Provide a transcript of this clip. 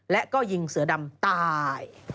และก็ยิงเสือดำตาย